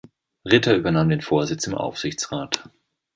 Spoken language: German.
Ritter übernahm den Vorsitz im Aufsichtsrat.